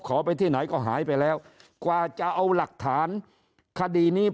ไปที่ไหนก็หายไปแล้วกว่าจะเอาหลักฐานคดีนี้